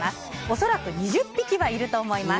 恐らく２０匹はいると思います。